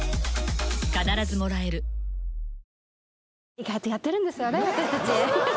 意外とやってるんですよね私たち。